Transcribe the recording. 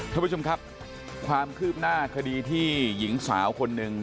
ท่านผู้ชมครับความคืบหน้าคดีที่หญิงสาวคนหนึ่ง